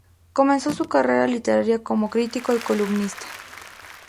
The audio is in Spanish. Comenzó su carrera literaria como crítico y columnista.